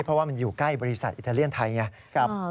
เพราะว่ามันอยู่ใกล้บริษัทอิตาเลียนไทยไง